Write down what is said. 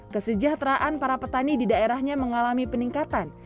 kesejahteraan para petani di daerahnya mengalami peningkatan